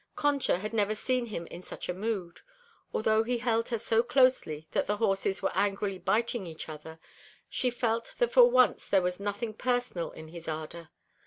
Concha had never seen him in such a mood. Although he held her so closely that the horses were angrily biting each other, she felt that for once there was nothing personal in his ardor.